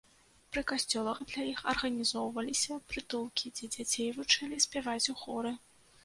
Пры касцёлах для іх арганізоўваліся прытулкі, дзе дзяцей вучылі спяваць ў хоры.